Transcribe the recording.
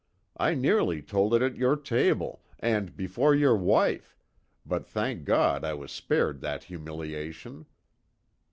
I nearly told it at your table, and before your wife, but thank God I was spared that humiliation.